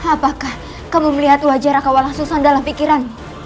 apakah kamu melihat wajah raka walang susang dalam pikiranmu